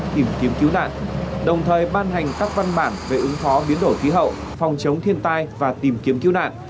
tìm kiếm cứu nạn đồng thời ban hành các văn bản về ứng phó biến đổi khí hậu phòng chống thiên tai và tìm kiếm cứu nạn